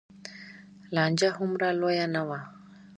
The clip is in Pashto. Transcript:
لانجه هومره لویه نه وه.